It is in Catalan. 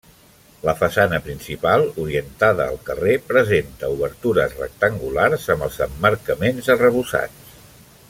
La façana principal, orientada al carrer, presenta obertures rectangulars amb els emmarcaments arrebossats.